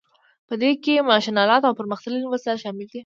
په دې کې ماشین الات او پرمختللي وسایل شامل دي.